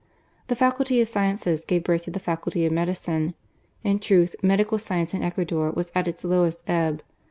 The Faculty of Sciences gave birth to the Faculty of Medicine. In truth, medical science in Ecuador was at its lowest ebb.